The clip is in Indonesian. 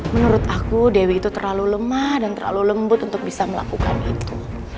menurut aku dewi itu terlalu lemah dan terlalu lembut untuk bisa melakukan itu